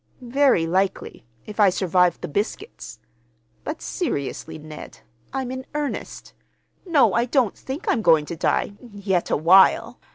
"Very likely—if I survive the biscuits. But, seriously, Ned, I'm in earnest. No, I don't think I'm going to die—yet awhile.